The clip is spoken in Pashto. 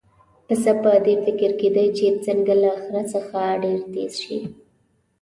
پسه په دې فکر کې دی چې څنګه له خره څخه ډېر تېز شي.